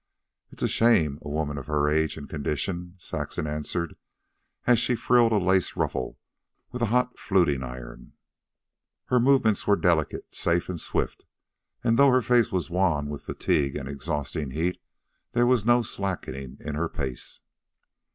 "It's a shame, a woman of her age, and... condition," Saxon answered, as she frilled a lace ruffle with a hot fluting iron. Her movements were delicate, safe, and swift, and though her face was wan with fatigue and exhausting heat, there was no slackening in her pace.